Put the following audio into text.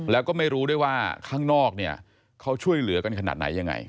แล้วก็ไม่รู้ด้วยว่าข้างนอกเนี่ยเขาช่วยเหลือกันขนาดไหนยังไง